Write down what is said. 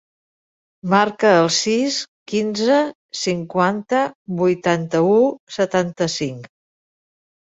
Marca el sis, quinze, cinquanta, vuitanta-u, setanta-cinc.